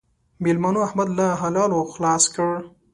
مېلمنو؛ احمد له حلالو خلاص کړ.